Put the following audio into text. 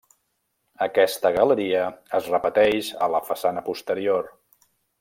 Aquesta galeria es repeteix a la façana posterior.